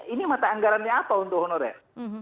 ini mata anggarannya apa untuk honorer